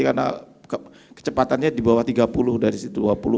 karena kecepatannya di bawah tiga puluh dari situ